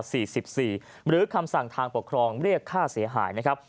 หรือคำสั่งทางปกครองเรียกค่าเสียหายนะครับ